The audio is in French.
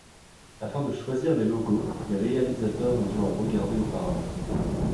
Afin de choisir les logos, les réalisateurs ont dû en regarder auparavant.